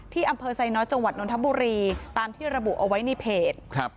อำเภอไซน้อยจังหวัดนทบุรีตามที่ระบุเอาไว้ในเพจครับ